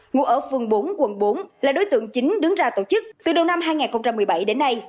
ngụ ở phường bốn quận bốn là đối tượng chính đứng ra tổ chức từ đầu năm hai nghìn một mươi bảy đến nay